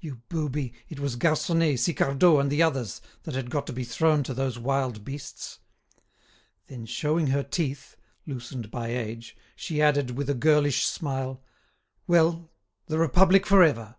You booby, it was Garconnet, Sicardot, and the others, that had got to be thrown to those wild beasts." Then, showing her teeth, loosened by age, she added, with a girlish smile: "Well, the Republic for ever!